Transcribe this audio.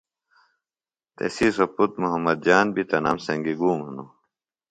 تسی سوۡ پُتر محمد جان بیۡ تنام سنگی گُوم ہِنوۡ